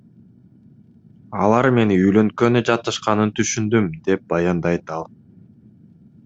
Алар мени үйлөнткөнү жатышканын түшүндүм, — деп баяндайт ал.